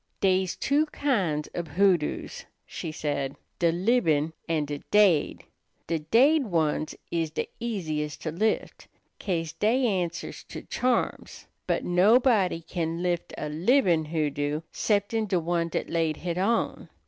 "Dey's two kinds ob hoodoos," she said, "de libin' an' de daid. De daid ones is de easiest to lift, 'ca'se dey answers to charms; but nobody can lift a libin' hoodoo 'ceptin' de one dat laid hit on.